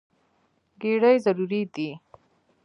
ګېډې ضروري دي.